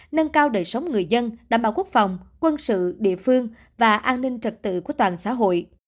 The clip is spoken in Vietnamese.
nâng cao đời sống người dân đảm bảo quốc phòng quân sự địa phương và an ninh trật tự của toàn xã hội